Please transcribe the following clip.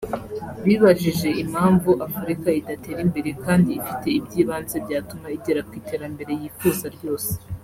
bibajije impamvu Afurika idatera imbere kandi ifite iby’ibanze byatuma igera ku iterambere yifuza ryose